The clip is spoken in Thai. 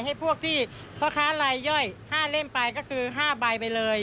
ให้พวกที่พ่อค้าลายย่อย๕เล่มไปก็คือ๕ใบไปเลย